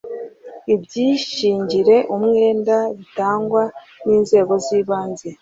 ibyishingire umwenda bitangwa n inzego z ibanze